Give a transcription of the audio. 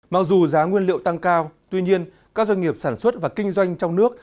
mặc dù giá nguyên liệu tăng cao tuy nhiên các doanh nghiệp sản xuất và kinh doanh trong nước